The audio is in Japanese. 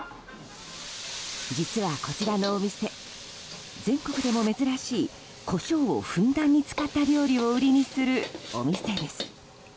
実は、こちらのお店全国でも珍しいコショウをふんだんに使った料理を売りにするお店です。